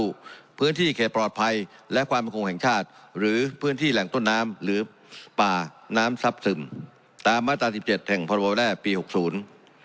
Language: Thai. พื้นที่เขตปลอดภัยและความประคงแห่งชาติหรือพื้นที่แหล่งต้นน้ำหรือป่าน้ำซับซึมตามมาตราสิบเจ็ดแห่งพรบแร่ปีหกศูนย์